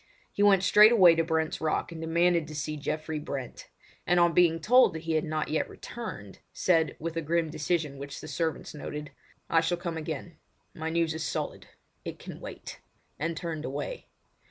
He went straightway to Brent's Rock, and demanded to see Geoffrey Brent, and on being told that he had not yet returned, said, with a grim decision which the servants noted: "I shall come again. My news is solid—it can wait!" and turned away.